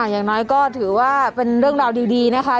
อย่างน้อยก็ถือว่าเป็นเรื่องราวดีนะคะ